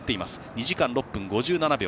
２時間６分５７秒。